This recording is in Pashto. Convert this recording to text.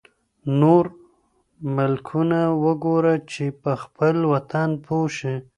نور ملکونه وګوره چي په خپل وطن پوه شې.